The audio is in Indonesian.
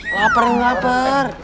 laper nih lapar